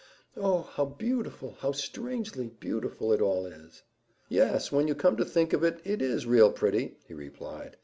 "Oh, how beautiful, how strangely beautiful it all is!" "Yes, when you come to think of it, it is real pretty," he replied.